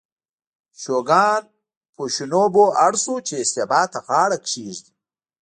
شوګان یوشینوبو اړ شو چې استعفا ته غاړه کېږدي.